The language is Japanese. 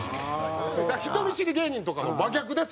だから人見知り芸人とかの真逆です